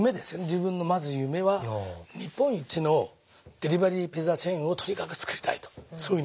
自分のまず夢は日本一のデリバリー・ピザチェーンをとにかくつくりたいとそういうふうに思いました。